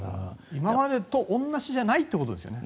今までと同じじゃないということですね。